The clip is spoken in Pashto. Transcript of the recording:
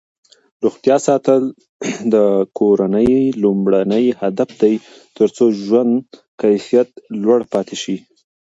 روغتیا ساتل د کورنۍ لومړنی هدف دی ترڅو ژوند کیفیت لوړ پاتې شي.